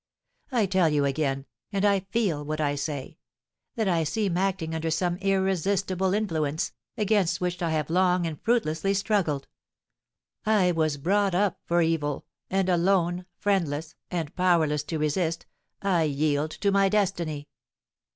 I tell you again and I feel what I say that I seem acting under some irresistible influence, against which I have long and fruitlessly struggled. I was brought up for evil, and, alone, friendless, and powerless to resist, I yield to my destiny.